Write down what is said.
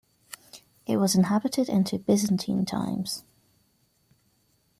It was inhabited into Byzantine times.